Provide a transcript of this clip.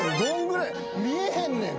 見えへんねん